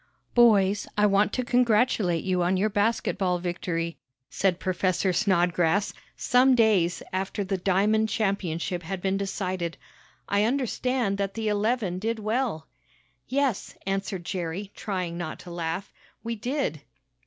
"Boys, I want to congratulate you on your basketball victory," said Professor Snodgrass, some days after the diamond championship had been decided. "I understand that the eleven did well." "Yes," answered Jerry, trying not to laugh, "we did."